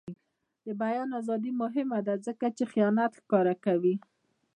د بیان ازادي مهمه ده ځکه چې خیانت ښکاره کوي.